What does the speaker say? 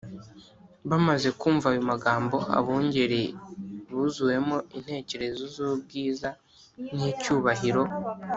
Bamaze kumva ayo magambo, abungeri buzuwemo intekerezo z’ubwiza n’icyubahiro